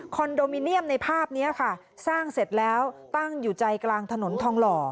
โดมิเนียมในภาพนี้ค่ะสร้างเสร็จแล้วตั้งอยู่ใจกลางถนนทองหล่อ